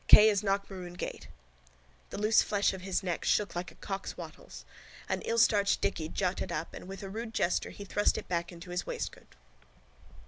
K is Knockmaroon gate. The loose flesh of his neck shook like a cock's wattles. An illstarched dicky jutted up and with a rude gesture he thrust it back into his waistcoat.